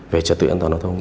về trật tự an toàn giao thông